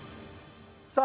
さあ。